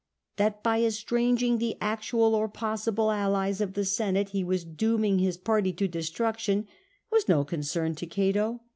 That by estranging the actual or possible allies of the Senate he was dooming his party to destruction, was no concern to Cato.